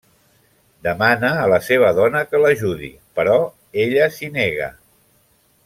Demana a la seva dona que l’ajudi però ella s’hi nega.